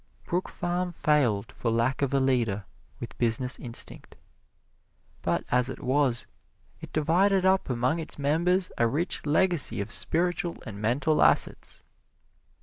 Brook Farm failed for lack of a leader with business instinct; but as it was, it divided up among its members a rich legacy of spiritual and mental assets.